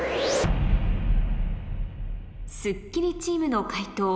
『スッキリ』チームの解答